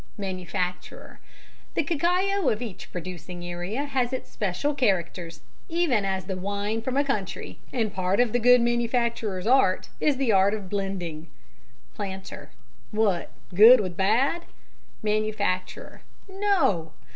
MANUFACTURER: The cacao of each producing area has its special characters, even as the wine from a country, and part of the good manufacturer's art is the art of blending. PLANTER: What good with bad? MANUFACTURER: No!